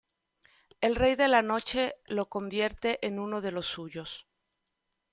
El Rey de la Noche lo convierte en uno de los suyos.